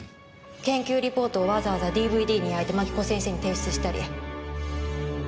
研究リポートをわざわざＤＶＤに焼いて槙子先生に提出したり。